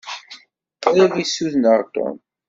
Qṛib i ssudneɣ Tom.